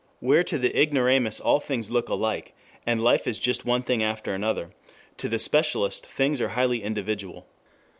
Where to the ignoramus all things look alike, and life is just one thing after another, to the specialist things are highly individual.